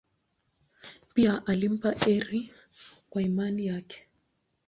Pia alimpa heri kwa imani yake.